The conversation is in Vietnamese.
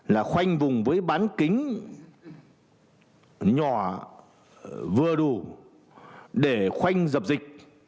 là khoanh vùng với bán kính nhỏ vừa đủ để khoanh dập dịch